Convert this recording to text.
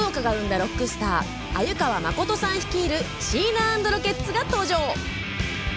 ロックスター鮎川誠さん率いるシーナ＆ロケッツが登場。